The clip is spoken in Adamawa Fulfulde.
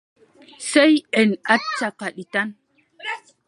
Sey en acca kadi tan.